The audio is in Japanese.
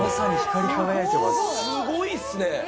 すごいっすね。